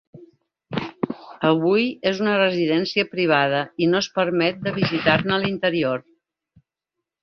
Avui és una residència privada i no es permet de visitar-ne l'interior.